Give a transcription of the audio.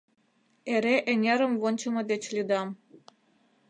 — Эре эҥерым вончымо деч лӱдам.